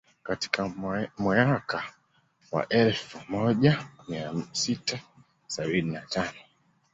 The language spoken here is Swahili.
Katika mweaka wa elfu moja mia sita sabini na tano